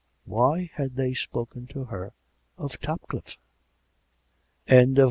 . Why had they spoken to her of Topcliffe? ..